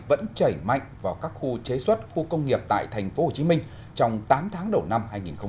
vẫn chảy mạnh vào các khu chế xuất khu công nghiệp tại tp hcm trong tám tháng đầu năm hai nghìn hai mươi